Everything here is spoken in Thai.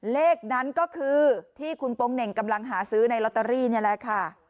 เลขนั้นก็คือที่คุณโป๊งเหน่งกำลังหาซื้อในลอตเตอรี่นี่แหละค่ะ